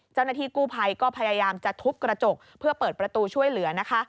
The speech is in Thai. เจ้าหน้าที่กู้ภัยก็พยายามจะทุบกระจกเพื่อเปิดประตูช่วยเหลือนะคะ